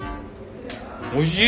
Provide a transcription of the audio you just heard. おいしい！